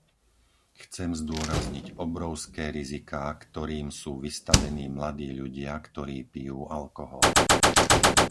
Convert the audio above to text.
Chcem zdôrazniť obrovské riziká, ktorým sú vystavení mladí ľudia, ktorí pijú alkohol.